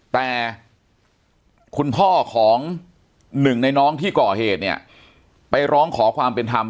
แต่คุณพ่อของหนึ่งในน้องที่ก่อเหตุเนี่ยไปร้องขอความเป็นธรรม